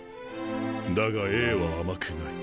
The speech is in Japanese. だがＡは甘くない。